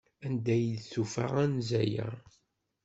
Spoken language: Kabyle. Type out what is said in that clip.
Anda ay d-tufa anza-a?